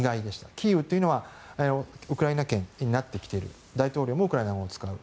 キーウというのはウクライナ圏になっている大統領もウクライナ語を使う。